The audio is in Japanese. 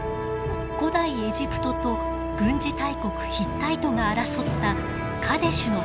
古代エジプトと軍事大国ヒッタイトが争ったカデシュの戦いです。